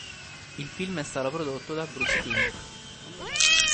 Il film è stato prodotto da Bruce Timm.